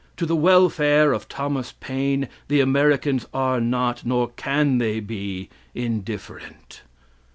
To the welfare of Thomas Paine, the Americans are not, nor can they be, indifferent.